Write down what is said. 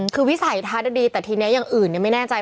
คือวิสัยทัศน์ดีแต่ทีนี้อย่างอื่นไม่แน่ใจ